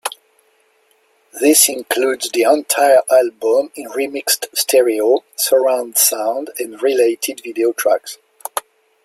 This includes the entire album in remixed stereo, surround sound, and related video tracks.